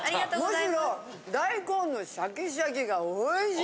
むしろ大根のシャキシャキがおいしい。